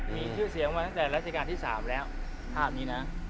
มีชื่อเสียงมาตั้งแต่รัชกาลที่๓แล้วภาพนี้นะ